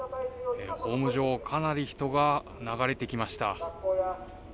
ホーム上、かなり人が流れてきました。